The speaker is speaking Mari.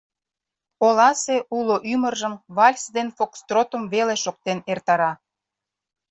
Оласе уло ӱмыржым вальс ден фокстротым веле шоктен эртара.